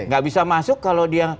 gak bisa masuk kalau dia